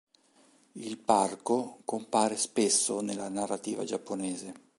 Il parco compare spesso nella narrativa giapponese.